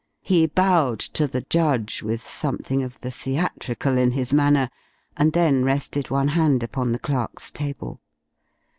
He bowed to the judge with something of the theatrical in his manner, and then rested one hand upon the clerk's table.